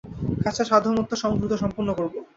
কাজটা সাধ্যমতো দ্রুত সম্পন্ন করবো।